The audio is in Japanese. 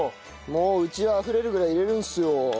もううちはあふれるぐらい入れるんっすよ。